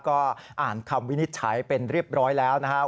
ก็อ่านคำวินิจฉัยเป็นเรียบร้อยแล้วนะครับ